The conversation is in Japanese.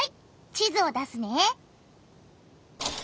地図を出すね。